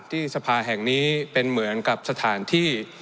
ที่สภาแห่งนี้เป็นเหมือนกับสถานที่